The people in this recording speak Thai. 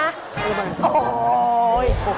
เจ๊เออโอ้โฮ